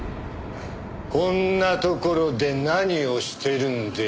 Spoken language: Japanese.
こんなところで何をしているんでしょうか。